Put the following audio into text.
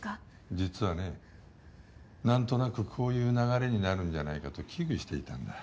実はね何となくこういう流れになるんじゃないかと危惧していたんだ